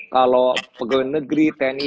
kalau pegawai negeri tni